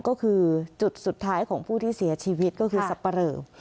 ก็คือจุดสุดท้ายของผู้ที่เสียชีวิตก็คือสับปะเหลอ